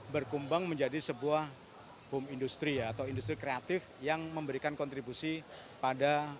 berkembang menjadi sebuah home industry atau industri kreatif yang memberikan kontribusi pada